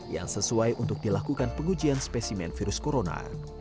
yang sesuai untuk dilakukan pengujian spesimen virus corona